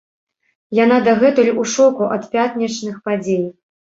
Яна дагэтуль ў шоку ад пятнічных падзей.